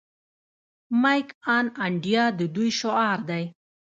میک ان انډیا د دوی شعار دی.